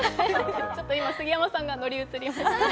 今、杉山さんが乗り移りました。